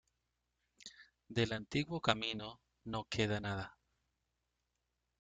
Del antiguo camino no queda nada.